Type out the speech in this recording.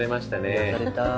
癒やされた。